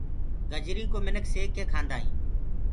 گجري ڪوُ منک سيڪ ڪي کآندآ هينٚ۔